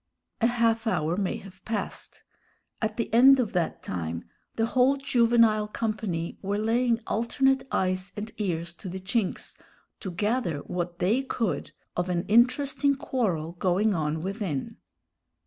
A half hour may have passed. At the end of that time the whole juvenile company were laying alternate eyes and ears to the chinks, to gather what they could of an interesting quarrel going on within.